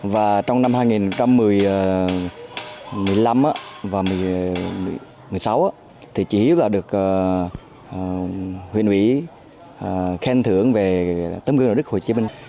và trong năm hai nghìn một mươi năm và hai nghìn một mươi sáu chị hiếu được huyện ủy khen thưởng về tấm gương đỉnh hình